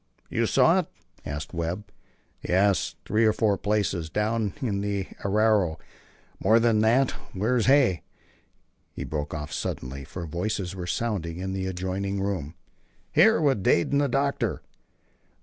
"You saw it?" asked Webb. "Yes. Three or four places down in the arroyo. More than that Where's Hay?" he broke off suddenly, for voices were sounding in the adjoining room. "Here, with Dade and the doctor."